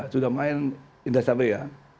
sudah main indah sabria